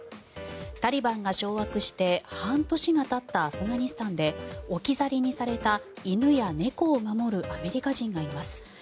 タリバンが掌握して半年がたったアフガニスタンで置き去りにされた犬や猫を守るアメリカ人がいます。